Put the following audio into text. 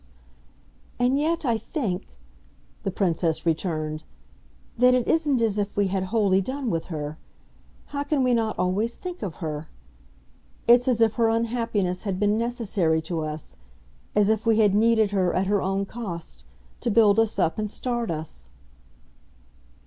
"And yet I think," the Princess returned, "that it isn't as if we had wholly done with her. How can we not always think of her? It's as if her unhappiness had been necessary to us as if we had needed her, at her own cost, to build us up and start us."